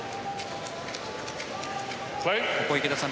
ここ、池田さん